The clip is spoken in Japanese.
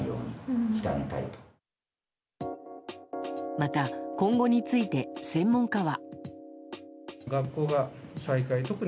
また、今後について専門家は。